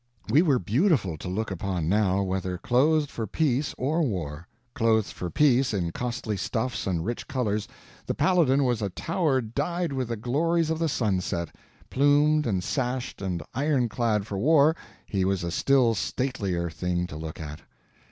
We were beautiful to look upon now, whether clothed for peace or war. Clothed for peace, in costly stuffs and rich colors, the Paladin was a tower dyed with the glories of the sunset; plumed and sashed and iron clad for war, he was a still statelier thing to look at.